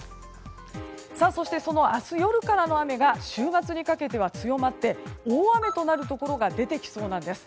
そして、その明日夜からの雨が週末にかけては強まって、大雨となるところがありそうです。